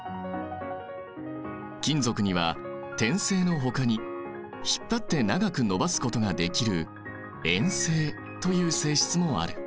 金属には展性のほかに引っ張って長く延ばすことができる「延性」という性質もある。